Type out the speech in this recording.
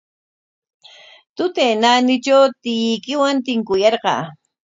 Tutay naanitraw tiyuykiwan tinkurqaa.